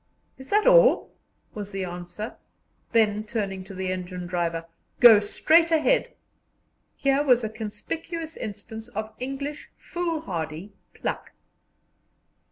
"Is that all?" was the answer; then, turning to the engine driver, "Go straight ahead." Here was a conspicuous instance of English foolhardy pluck.